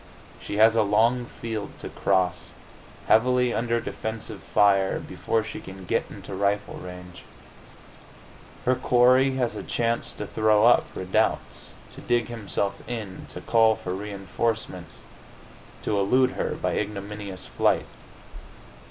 She has a long field to cross, heavily under defensive fire, before she can get into rifle range. Her quarry has a chance to throw up redoubts, to dig himself in, to call for reinforcements, to elude her by ignominious flight.